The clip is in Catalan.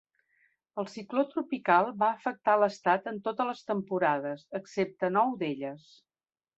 El cicló tropical va afectar l'estat en totes les temporades, excepte nou d'elles.